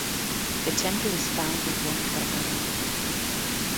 The temple is found with one prakaram.